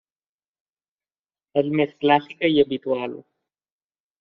És més clàssica i habitual.